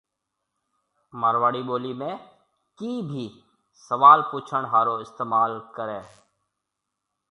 مارواڙي ٻولِي ۾ ”ڪِي“ ڀِي سوال پُڇڻ هارون استمعال ڪريَ۔